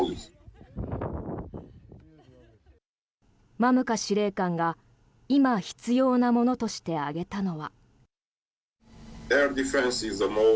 マムカ司令官が今、必要なものとして挙げたのは。